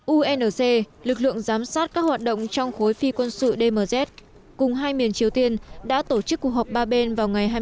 unc lực lượng giám sát các hoạt động trong khối phi quân sự dmz cùng hai miền triều tiên đã tổ chức cuộc họp ba bên vào ngày hai mươi hai tháng một mươi